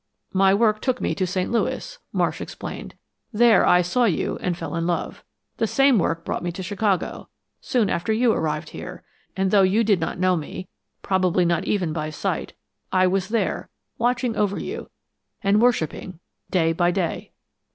"My work took me to St. Louis," Marsh explained. "There I saw you and fell in love. The same work brought me to Chicago, soon after you arrived here, and though you did not know me probably not even by sight I was there, watching over you, and worshipping day by day.